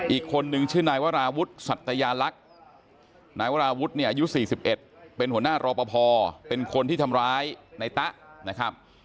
อีกคนนึงชื่อนายวราวุฒิสัตยาลักษณ์นายวราวุฒิเนี่ยอายุ๔๑เป็นหัวหน้ารอปภเป็นคนที่ทำร้ายนายตะนะครับ